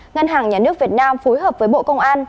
ngân hàng nhà nước việt nam phối hợp với bộ công an